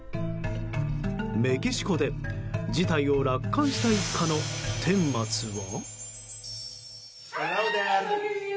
メキシコで事態を楽観した一家の顛末は？